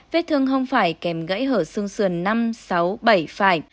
vết thương không phải kèm gãy hở xương sườn năm sáu bảy phải